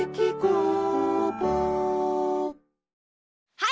はい！